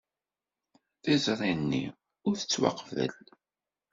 Tiẓri-nni ur tettwaqbel.